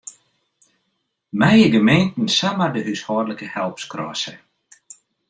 Meie gemeenten samar de húshâldlike help skrasse?